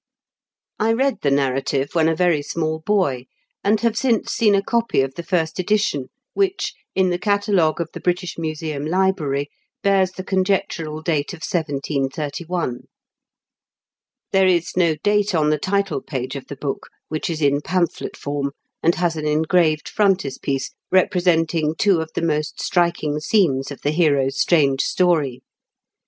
I read the narrative when a THE 8T0BY OF AMBROSE GWINETT. 215 very small boy, and have since seen a copy of the first edition, which, in the catalogue of the British Museum library, bears the conjectural date of 1731. There is no date on the title page of the book, which is in pamphlet form, and has an engraved frontispiece, representing two of the most striking scenes of the hero's strange story.